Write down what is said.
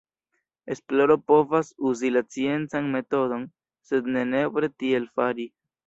Esploro povas uzi la sciencan metodon, sed ne nepre tiel fari.